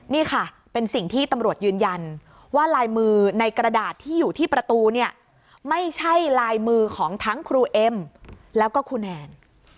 นี่ค่ะเป็นสิ่งที่ตำรวจยืนยันว่าลายมือในกระดาษที่อยู่ที่ประตูเนี่ยไม่ใช่ลายมือของทั้งครูเอ็มแล้วก็ครูแนน